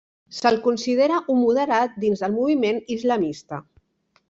Se'l considera un moderat dins del moviment islamista.